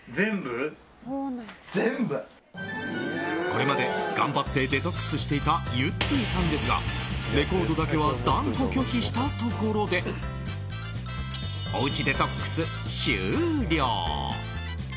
これまで頑張ってデトックスしていたゆってぃさんですがレコードだけは断固拒否したところでおうちデトックス終了！